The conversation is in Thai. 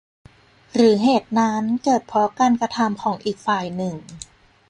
หรือเหตุนั้นเกิดเพราะการกระทำของอีกฝ่ายหนึ่ง